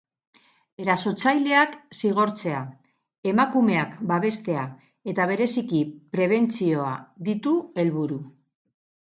Erasotzaileak zigortzea, emakumeak babestea eta bereiziki prebentzioa ditu helburu.